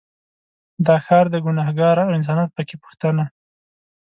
دا ښار دی ګنهار او انسانیت په کې پوښتنه